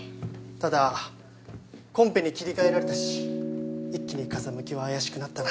ただコンペに切り替えられたし一気に風向きは怪しくなったな。